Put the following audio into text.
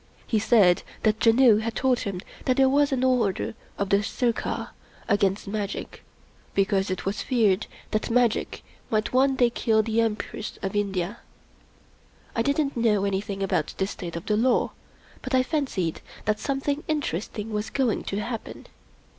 He said that Janoo had told him that there was an order of the Sirkar against magic, because it was feared that magic might one day kill the Empress of India. I didn't know anything about the state of the law; but I fancied that something interest ing was going to happen.